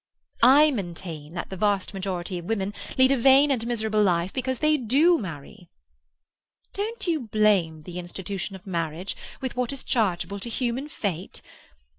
"I maintain that the vast majority of women lead a vain and miserable life because they do marry." "Don't you blame the institution of marriage with what is chargeable to human fate?